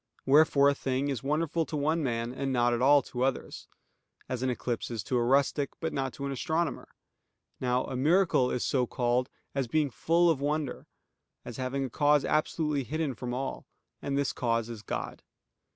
Wherefore a thing is wonderful to one man, and not at all to others: as an eclipse is to a rustic, but not to an astronomer. Now a miracle is so called as being full of wonder; as having a cause absolutely hidden from all: and this cause is God.